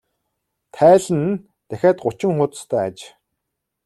Тайлан нь дахиад гучин хуудастай аж.